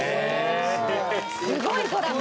すごいドラマ。